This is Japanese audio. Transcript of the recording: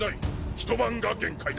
ひと晩が限界だ。